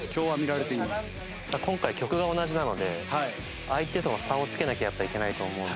今回曲が同じなので相手との差をつけなきゃやっぱいけないと思うので。